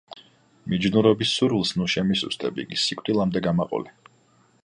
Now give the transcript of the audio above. მიჯნურობის სურვილს ნუ შემისუსტებ, იგი სიკვდილამდე გამაყოლე.